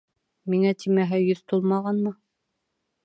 Миңә тимәһә йөҙ тулмағанмы?